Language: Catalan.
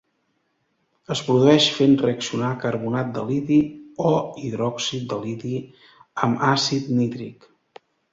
Es produeix fent reaccionar carbonat de liti o hidròxid de liti amb àcid nítric.